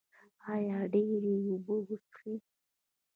ایا ډیرې اوبه څښئ؟